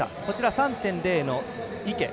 ３．０の池。